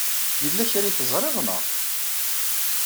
Yella kra ay teẓriḍ, naɣ?